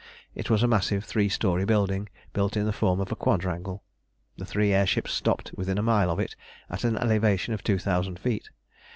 It was a massive three storey building, built in the form of a quadrangle. The three air ships stopped within a mile of it at an elevation of two thousand feet.